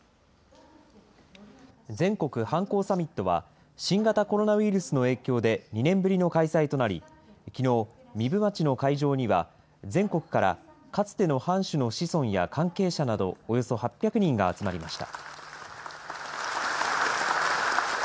全国藩校サミットは、新型コロナウイルスの影響で２年ぶりの開催となり、きのう、壬生町の会場には全国からかつての藩主の子孫や関係者など、およそ８００人が集まりました。